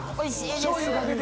しょうゆ掛けて。